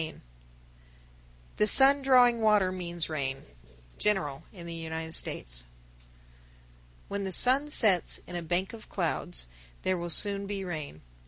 _ 1038. The sun drawing water means rain. General in the United States. 1039. When the sun sets in a bank of clouds, there will soon be rain.